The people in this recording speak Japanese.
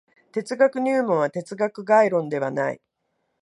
哲学入門は哲学概論ではない。